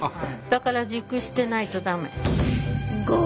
だから熟してないと駄目。